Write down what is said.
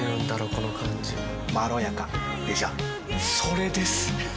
この感じまろやかでしょそれです！